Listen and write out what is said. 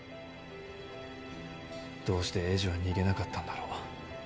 どうして栄治は逃げなかったんだろう。